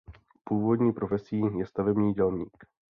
Původní profesí je stavební dělník.